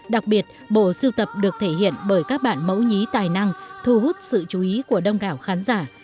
đặc biệt bộ siêu tập được thể hiện bởi các bạn mẫu nhí tài năng thu hút sự chú ý của đông đảo khán giả